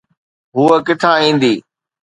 هوءَ ڪٿان ايندي؟